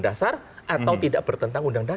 dasar atau tidak bertentang undang undang